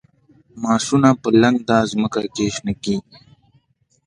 ماسونه په لنده ځمکه شنه کیږي